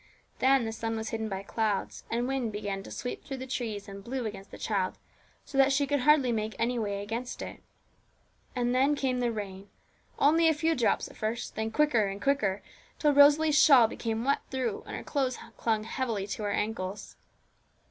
Then the sun was hidden by clouds, and wind began to sweep through the trees, and blew against the child, so that she could hardly make any way against it. And then came the rain, only a few drops at first, then quicker and quicker, till Rosalie's shawl became wet through, and her clothes clung heavily to her ankles.